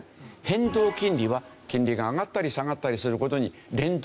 変動金利は金利が上がったり下がったりする事に連動しますよ。